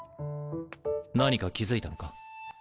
何か気付いたのか？